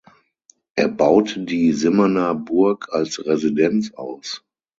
Er baute die Simmerner Burg als Residenz aus.